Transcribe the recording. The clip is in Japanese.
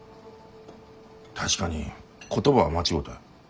確かに言葉は間違うた。